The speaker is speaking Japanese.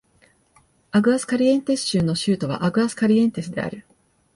アグアスカリエンテス州の州都はアグアスカリエンテスである